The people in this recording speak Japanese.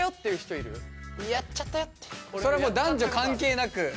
それはもう男女関係なく。